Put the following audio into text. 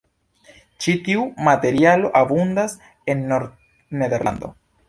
Ĉi tiu materialo abundas en Nord-Nederlando.